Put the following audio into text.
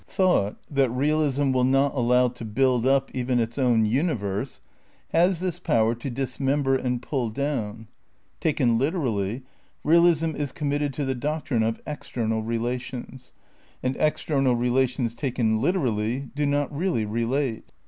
Thought, that realism will not allow to build up even its own universe, has this power to dismember and pull down. Taken literally, realism is committed to the doctrine of external relations. And external rela tions, taken literally, do not really relate.